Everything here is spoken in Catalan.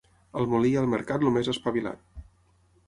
Al molí i al mercat el més espavilat.